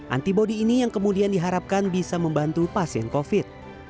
antibody ini yang kemudian diharapkan bisa membantu pasien covid